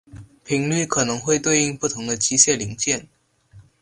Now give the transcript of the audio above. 频率可能会对应不同的机械零件。